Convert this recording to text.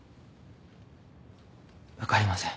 分かりません。